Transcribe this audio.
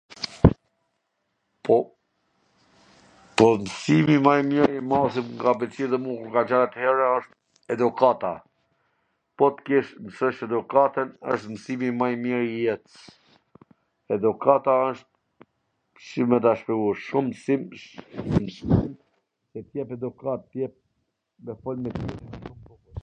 Po, msimi ma i mir qw m ka pwlqy dhe mu kur kam qwn at hera wsht edukata, po t kesh t mwsojsh edukatwn wsht msimi ma i mir i jets, edukata wsht, si me ta shpjegu, shum msim... se t jep edukat, t jep t folmen...